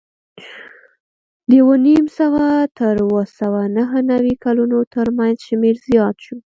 د اوه نیم سوه تر اوه سوه نهه نوې کلونو ترمنځ شمېر زیات شو